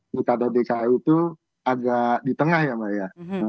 pilkada dki itu agak di tengah ya mbak ya